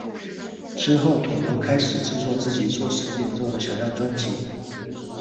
之后桶头开始制作自己作曲演奏的小样专辑。